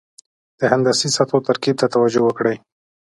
د هندسي سطحو ترکیب ته توجه وکړئ.